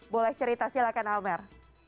boleh cerita silakan almer